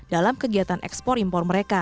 dalam kegiatan ekspor impor